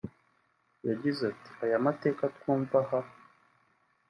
Yagize ati “Aya mateka twumva nk’aha